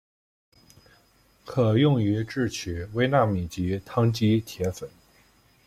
可用于制取微纳米级羰基铁粉。